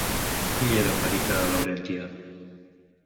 Qui era Marica Laurentia?